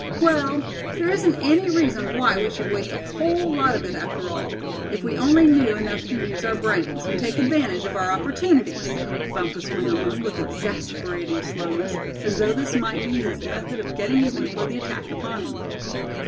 "Well, there isn't any reason why we should waste a whole lot of it after all, if we only know enough to use our brains, and take advantage of our opportunities," Bumpus went on, with exasperating slowness, as though this might be his method of getting even for the attack upon him.